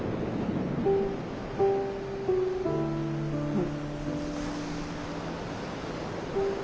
うん。